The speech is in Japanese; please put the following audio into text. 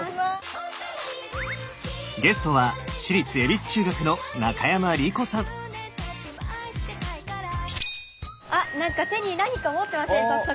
ゲストはあっなんか手に何か持ってますね早速。